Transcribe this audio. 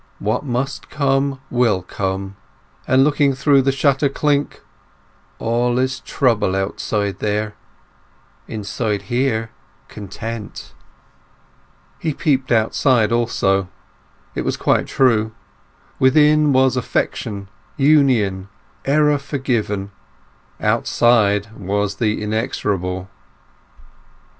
"What must come will come." And, looking through the shutter chink: "All is trouble outside there; inside here content." He peeped out also. It was quite true; within was affection, union, error forgiven: outside was the inexorable.